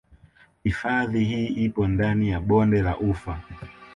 Hifadhi hii ipo ndani ya Bonde la Ufa